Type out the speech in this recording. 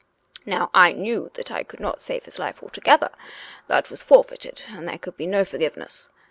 Now I knew that I could not save his life altogether; that was forfeited and there could be no forgiveness.